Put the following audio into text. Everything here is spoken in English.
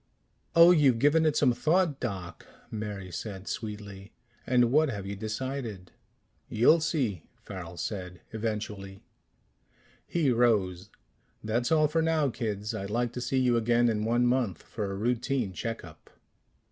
"Oh, you've given it some thought, Doc?" Mary said sweetly. "And what have you decided?" "You'll see," Farrel said. "Eventually." He rose. "That's all for now, kids. I'd like to see you again in one month for a routine check up."